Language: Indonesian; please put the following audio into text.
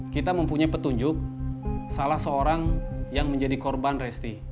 kita mempunyai petunjuk salah seorang yang menjadi korban resti